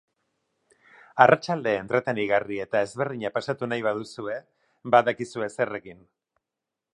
Arratsalde entretenigarri eta ezberdina pasatu nahi baduzue, badakizue zer egin!